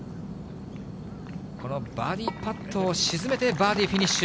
このバーディーパットを沈めて、バーディーフィニッシュ。